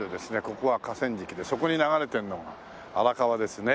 ここは河川敷でそこに流れているのが荒川ですね。